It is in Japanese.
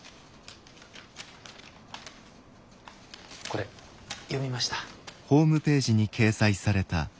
これ読みました。